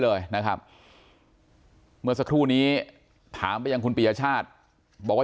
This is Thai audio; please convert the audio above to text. เลยนะครับเมื่อสักครู่นี้ถามไปยังคุณปียชาติบอกว่า